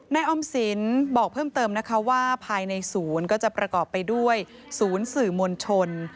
ออมสินบอกเพิ่มเติมนะคะว่าภายในศูนย์ก็จะประกอบไปด้วยศูนย์สื่อมวลชน